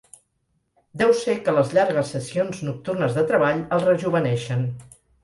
Deu ser que les llargues sessions nocturnes de treball el rejoveneixen.